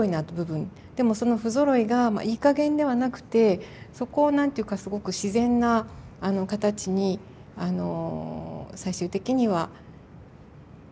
でもその不ぞろいがいいかげんではなくてそこを何て言うかすごく自然な形に最終的には合わせていく。